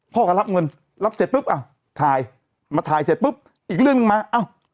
พ่อก็รับเงินรับเสร็จปุ๊บอ่ะถ่ายมาถ่ายเสร็จปุ๊บอีกเรื่องหนึ่งมาเอ้า